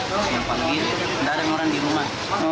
langsung panggil gak ada orang di rumah